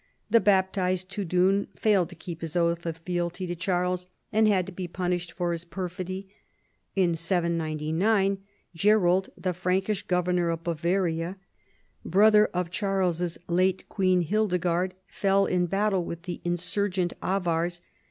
The baptized tudun failed to keep his oath of fealty to Charles, and had to be punished for his perfidy. In 799 Ceroid, the Frankish governor of Bavaria, brother of Charles's late queen Hildegard, fell in battle with the insur gent Avars.